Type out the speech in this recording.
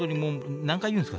何回言うんですか？